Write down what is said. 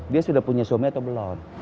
dia sudah punya suami atau belum